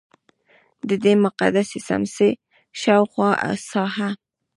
ددې مقدسې څمڅې شاوخوا ساحه.